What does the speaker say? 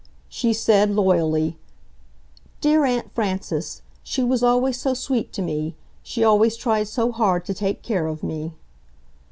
She said, loyally, "Dear Aunt Frances! She was always so sweet to me! She always tried so hard to take care of me!"